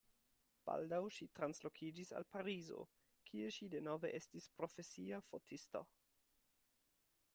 Baldaŭ ŝi translokiĝis al Parizo, kie ŝi denove estis profesia fotisto.